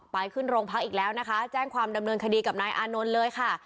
ขึ้นโรงพักอีกแล้วนะคะแจ้งความดำเนินคดีกับนายอานนท์เลยค่ะ